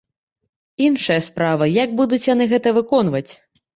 Іншая справа, як будуць яны гэта выконваць.